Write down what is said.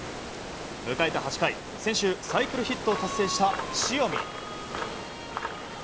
迎えた８回、先週サイクルヒットを達成した塩見。